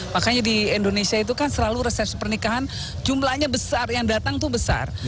makanya di indonesia itu kan selalu resepsi pernikahan jumlahnya besar yang datang itu besar